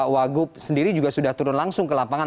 wagub sendiri juga sudah turun langsung ke lapangan